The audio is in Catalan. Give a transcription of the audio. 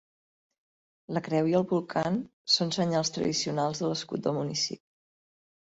La creu i el bolcant són senyals tradicionals de l'escut del municipi.